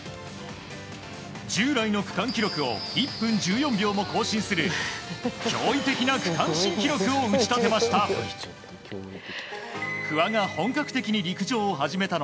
従来の区間記録を１分１４秒も更新する驚異的な区間新記録を打ち立てました。